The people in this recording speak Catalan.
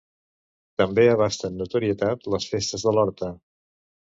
També abasten notorietat les festes de l'horta.